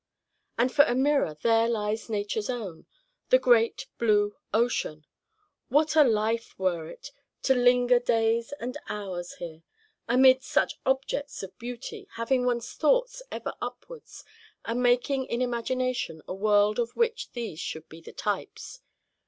And for a mirror, there lies Nature's own, the great blue ocean! What a life were it, to linger days and hours here, amid such objects of beauty, having one's thoughts ever upwards, and making in imagination a world of which these should be the types.